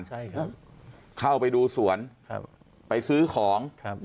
ใช่ครับเข้าไปดูสวนครับไปซื้อของครับ